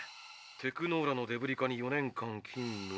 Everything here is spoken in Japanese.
テクノーラのデブリ課に４年間勤務。